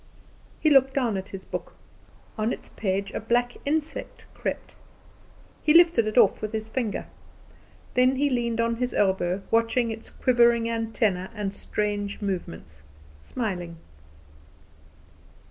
He looked down at his book. On its page a black insect crept. He lifted it off with his finger. Then he leaned on his elbow, watching its quivering antennae and strange movements, smiling.